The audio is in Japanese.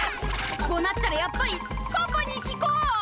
こうなったらやっぱりパパに聞こう！